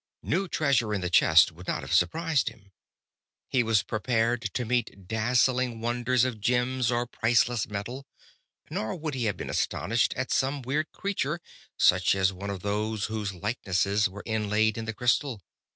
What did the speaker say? New treasure in the chest would not have surprised him. He was prepared to meet dazzling wonders of gems or priceless metal. Nor would he have been astonished at some weird creature such as one of those whose likenesses were inlaid in the crystal.